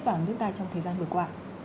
vào nước ta trong thời gian vừa qua